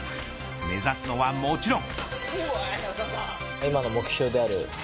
目指すのはもちろん。